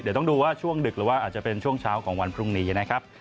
เดี๋ยวต้องดูว่าช่วงดึกหรือว่าอาจจะเป็นช่วงเช้าของวันพรุ่งนี้นะครับ